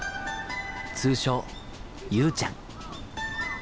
通称ゆうちゃん。